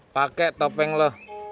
pakai topeng lo